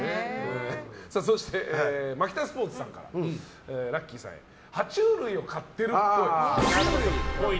そして、マキタスポーツさんからラッキィさんへ爬虫類を飼ってるっぽい。